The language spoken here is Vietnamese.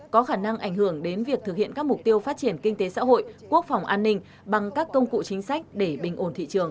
có khả năng ảnh hưởng đến việc thực hiện các mục tiêu phát triển kinh tế xã hội quốc phòng an ninh bằng các công cụ chính sách để bình ổn thị trường